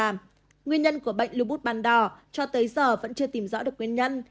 nguyên nhân của bệnh lưu bút ban đỏ cho tới giờ vẫn chưa tìm rõ được nguyên nhân